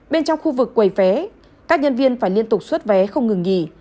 bên trong khu vực quầy vé các nhân viên phải liên tục xuất vé không ngừng nghỉ